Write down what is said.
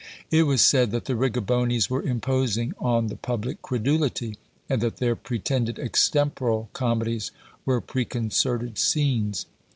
It was said that the Riccobonis were imposing on the public credulity; and that their pretended Extemporal Comedies were preconcerted scenes.